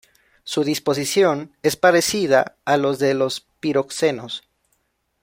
Su disposición es parecida a la de los piroxenos.